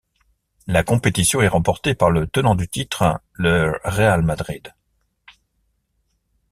La compétition est remportée par le tenant du titre, le Real Madrid.